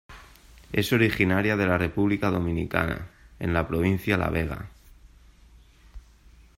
Es originaria de la República Dominicana en la Provincia La Vega.